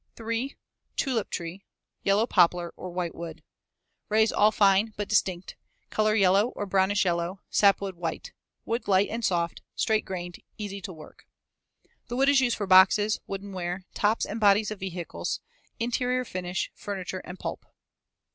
3. Tulip tree, yellow poplar or whitewood. Rays all fine but distinct. Color yellow or brownish yellow; sapwood white. Wood light and soft, straight grained, easy to work. The wood is used for boxes, woodenware, tops and bodies of vehicles, interior finish, furniture, and pulp.